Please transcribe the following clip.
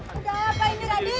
ada apa ini radik